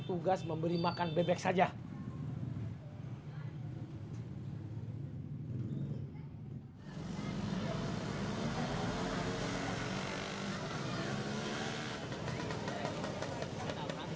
tugas untuk memberi makanan ou dul chloringa saja